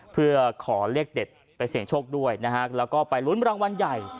เพื่อขอเลขเด็ดไปเสี่ยงโชคด้วยนะฮะแล้วก็ไปลุ้นรางวัลใหญ่